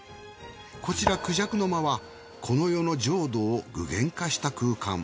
こちら孔雀の間はこの世の浄土を具現化した空間。